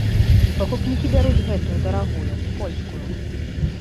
І пакупнікі бяруць гэтую дарагую, польскую.